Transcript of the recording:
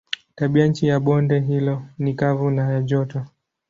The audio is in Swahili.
Tabianchi ya bonde hilo ni kavu na ya joto.